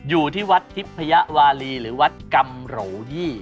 อยู่ที่วัดทิพยวารีหรือวัดกำโหลยี่